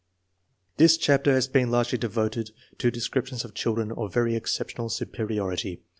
This chapter has been largely devoted to descrip tions of children of very exceptional superiority.